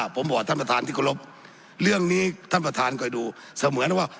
ผมบอกท่านประธานที่เคารพเรื่องนี้ท่านประธานคอยดูเสมือนว่า